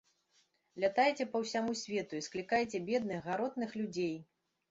Лятайце па ўсяму свету і склікайце бедных, гаротных людзей!